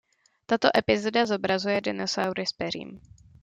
Tato epizoda zobrazuje dinosaury s peřím.